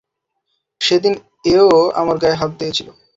সেদিন এও আমার গায়ে হাত দিয়েছিলো।